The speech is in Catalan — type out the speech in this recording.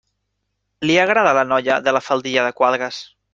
Li agrada la noia de la faldilla de quadres.